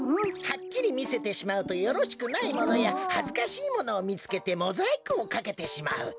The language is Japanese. はっきりみせてしまうとよろしくないものやはずかしいものをみつけてモザイクをかけてしまう。